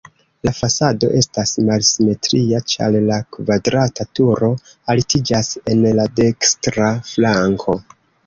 La fasado estas malsimetria, ĉar la kvadrata turo altiĝas en la dekstra flanko.